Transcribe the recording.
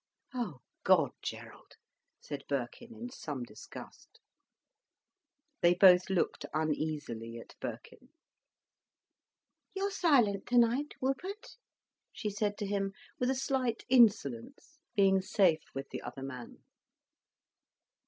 "Oh God, Gerald!" said Birkin, in some disgust. They both looked uneasily at Birkin. "You're silent tonight, Wupert," she said to him, with a slight insolence, being safe with the other man.